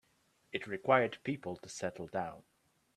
It required people to settle down.